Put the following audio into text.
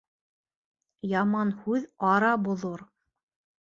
Яман һүҙ ара боҙор.